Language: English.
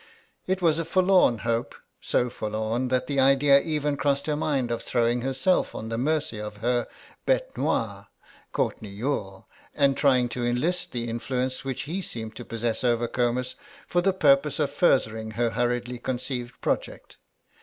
It was a forlorn hope; so forlorn that the idea even crossed her mind of throwing herself on the mercy of her bête noire, Courtenay Youghal, and trying to enlist the influence which he seemed to possess over Comus for the purpose of furthering her hurriedly conceived project.